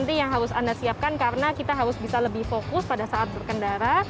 itu yang harus anda siapkan karena kita harus bisa lebih fokus pada saat berkendara